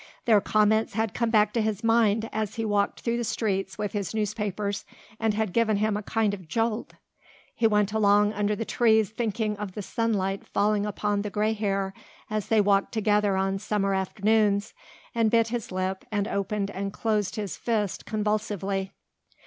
Their comments had come back to his mind as he walked through the streets with his newspapers and had given him a kind of jolt. He went along under the trees thinking of the sunlight falling upon the grey hair as they walked together on summer afternoons, and bit his lip and opened and closed his fist convulsively.